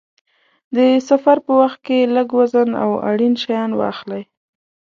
د سفر په وخت کې لږ وزن او اړین شیان واخلئ.